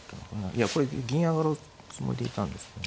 いやこれ銀上がるつもりでいたんですよね。